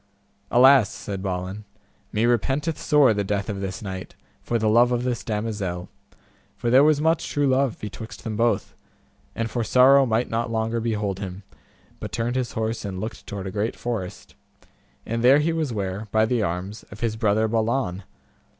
Alas, said Balin, me repenteth sore the death of this knight, for the love of this damosel, for there was much true love betwixt them both, and for sorrow might not longer behold him, but turned his horse and looked toward a great forest, and there he was ware, by the arms, of his brother Balan.